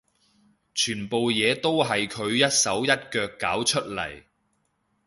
全部嘢都係佢一手一腳搞出嚟